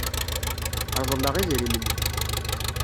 Reḍleɣ idrimen-nni.